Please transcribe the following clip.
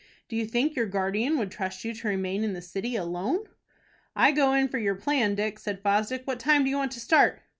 Do you think your guardian would trust you to remain in the city alone?" "I go in for your plan, Dick," said Fosdick. "What time do you want to start?"